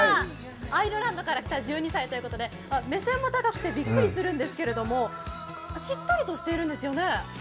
アイルランドから来た１２歳ということで目線も高くてびっくりするんですけれどもしっとりしているんですよね。